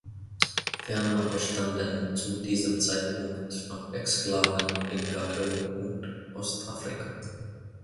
Ferner bestanden zu diesem Zeitpunkt noch Exklaven in Kamerun und Ostafrika.